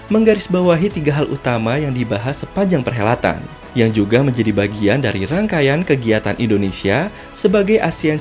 menggarisbawahi tiga hal utama yang dibahas sepanjangnya